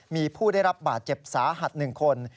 มีผู้ได้รับบาดเจ็บสาหัส๑คน